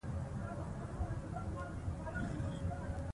موږ باید خوشحاله اوسو.